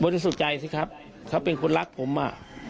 สุดใจสิครับเขาเป็นคนรักผมอ่ะ